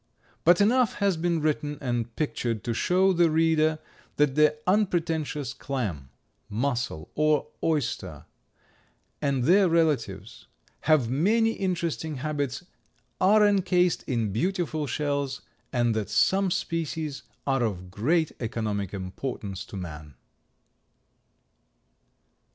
But enough has been written and pictured to show the reader that the unpretentious clam, mussel or oyster and their relatives have many interesting habits, are encased in beautiful shells, and that some species are of great economic importance to man.